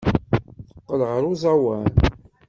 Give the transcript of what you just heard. Teqqel ɣer uẓawan.